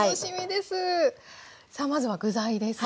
さあまずは具材ですが。